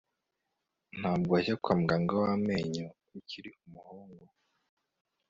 Ntabwo wajya kwa muganga wamenyo ukiri umuhungu